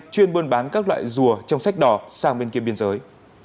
chuyên buôn bán các loại rùa trong sách đỏ sang bên kia biên giới